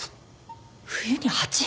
冬に蜂？